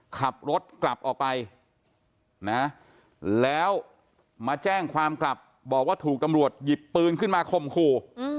ขับรถกลับออกไปนะแล้วมาแจ้งความกลับบอกว่าถูกตำรวจหยิบปืนขึ้นมาข่มขู่